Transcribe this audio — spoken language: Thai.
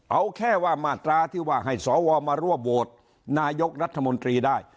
เอาแค่ว่ามาตราที่ว่าให้สวมารวบโหวตนายกรัฐมนตรีได้